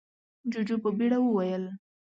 جُوجُو په بيړه وويل: